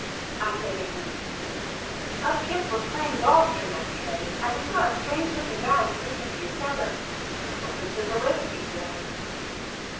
I say to him, "Us kids were playing ball here yesterday, and we saw a strange looking guy sneak into your cellar. It wasn't a delivery boy."